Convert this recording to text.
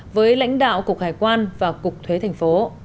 với lãnh đạo cục hải quan và cục thuế tp